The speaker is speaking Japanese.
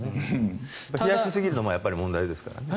冷やしすぎるのも問題ですからね。